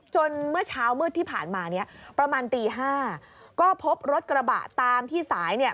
เมื่อเช้ามืดที่ผ่านมาเนี้ยประมาณตีห้าก็พบรถกระบะตามที่สายเนี่ย